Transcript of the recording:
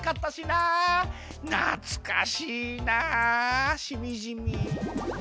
なつかしいなしみじみ。